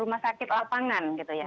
rumah sakit lapangan gitu ya